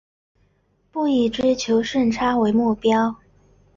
不以追求顺差为目标